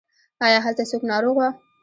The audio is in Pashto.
ایا هلته څوک ناروغ و؟